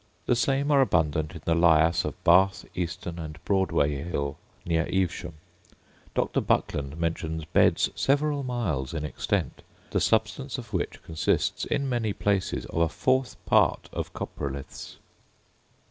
The same are abundant in the lias of Bath, Eastern and Broadway Hill, near Evesham. Dr. Buckland mentions beds, several miles in extent, the substance of which consists, in many places, of a fourth part of coprolithes.